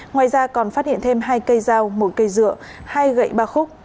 ngoài ra còn phát hiện thêm hai cây dao một cây dựa hai gậy ba khúc